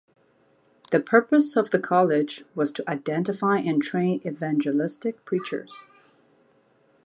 The purpose of the college was to identify and train evangelistic preachers.